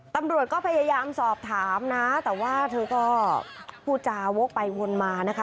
ตำรวจก็พยายามสอบถามนะแต่ว่าเธอก็พูดจาวกไปวนมานะคะ